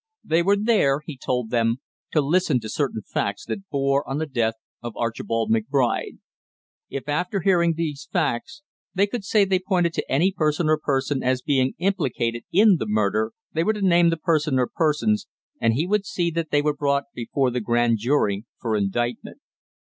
They were there, he told them, to listen to certain facts that bore on the death of Archibald McBride. If, after hearing these facts, they could say they pointed to any person or persons as being implicated in the murder, they were to name the person or persons, and he would see that they were brought before the grand jury for indictment.